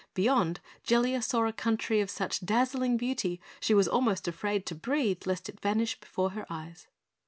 Beyond, Jellia saw a country of such dazzling beauty she was almost afraid to breathe lest it vanish before her eyes.